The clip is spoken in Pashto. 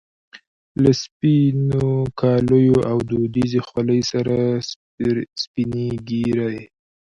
له سپینو کاليو او دودیزې خولۍ سره سپینږیری.